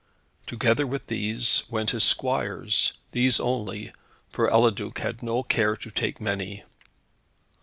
Together with these went his squires, these only, for Eliduc had no care to take many.